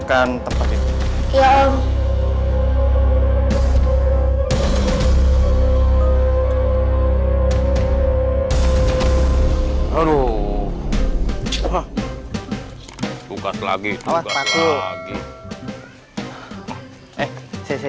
kita mau dasar ke sini